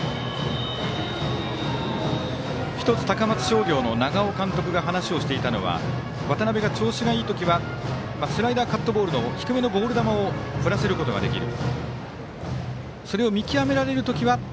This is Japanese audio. １つ、高松商業の長尾監督が話をしていたのは渡辺が調子がいいときはスライダーカットボールなど低めのボール球を振らせることができる。